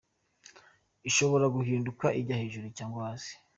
Ishobora guhinduka ijya hejuru cyangwa hasi.